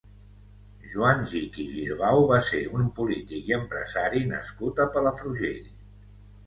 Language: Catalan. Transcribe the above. Joan Gich i Girbau va ser un polític i empresari nascut a Palafrugell.